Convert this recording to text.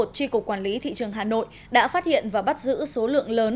tri cục quản lý thị trường hà nội đã phát hiện và bắt giữ số lượng lớn